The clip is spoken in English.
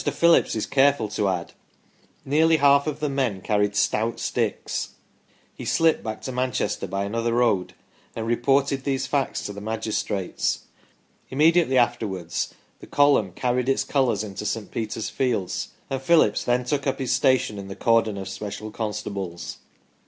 Phillips is careful to add :Nearly half of the men carried stout sticks ". He slipped back to Manchester by another road 1 and reported these facts to the magistrates. Immediately afterwards the column carried its colours into St. Peter's fields, and Phillips then took up his station in the cordon of special constables.